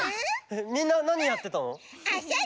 みんななにやってたの？